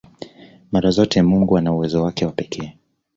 Mara zote Mungu ana uwezo wake wa pekee